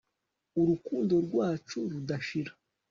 urukundo rwacu rudashira